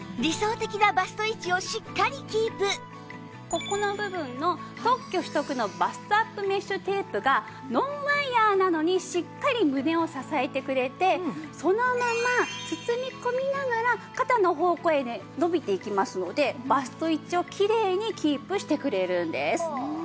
ここの部分の特許取得のバストアップメッシュテープがノンワイヤなのにしっかり胸を支えてくれてそのまま包み込みながら肩の方向へ伸びていきますのでバスト位置をきれいにキープしてくれるんです。